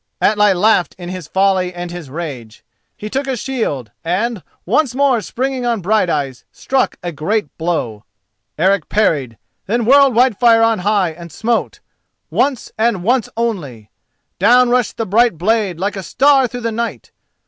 Atli laughed in his folly and his rage. He took a shield, and, once more springing on Brighteyes, struck a great blow. Eric parried, then whirled Whitefire on high and smote—once and once only! Down rushed the bright blade like a star through the night.